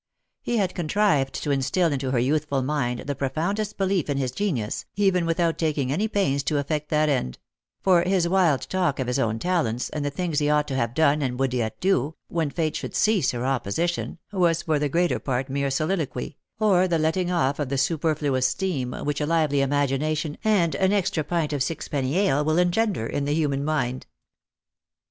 He had contrived to instil into her youthful mind the pro Lost for Love. 51 foundest belief in his genius, even without taking any pains to effect that end ; for his wild talk of his own talents, and the things he ought to have done and would yet do, when Fate should cease her opposition, was for the greater part mere soliloquy, or the letting off of the superfluous steam which a lively imagination and an extra pint of sixpenny ale will en gender in the human mind.